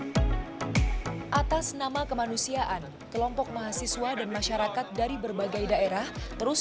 hai atas nama kemanusiaan kelompok mahasiswa dan masyarakat dari berbagai daerah terus